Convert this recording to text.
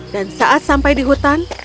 dan saat sampai di hutan